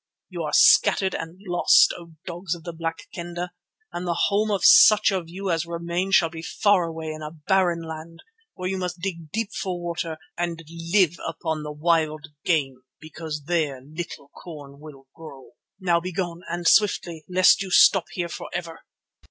You are scattered and lost, O dogs of the Black Kendah, and the home of such of you as remain shall be far away in a barren land, where you must dig deep for water and live upon the wild game because there little corn will grow.' Now begone, and swiftly, lest you stop here for ever."